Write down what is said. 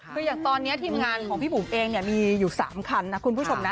คืออย่างตอนนี้ทีมงานของพี่บุ๋มเองเนี่ยมีอยู่๓คันนะคุณผู้ชมนะ